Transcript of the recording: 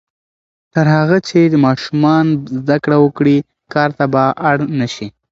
تر هغه چې ماشومان زده کړه وکړي، کار ته به اړ نه شي.